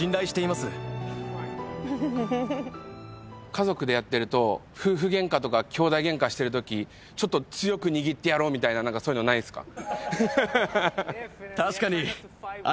家族でやってると夫婦ゲンカとかきょうだいゲンカしてるときちょっと強く握ってやろうとかそういうのないんすか？